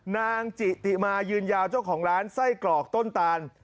นางจิติมายืนยาวเจ้าของร้านไส้กรอกต้นตาล